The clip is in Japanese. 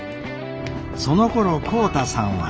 そのころ浩太さんは。